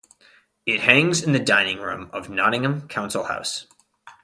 It hangs in the dining room of Nottingham Council House.